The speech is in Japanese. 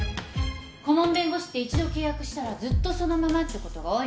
顧問弁護士って一度契約したらずっとそのままってことが多いの。